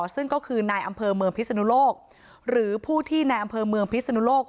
ซึ่งก็คือนายอำเภอเมืองพิศนุโลกหรือผู้ที่ในอำเภอเมืองพิศนุโลก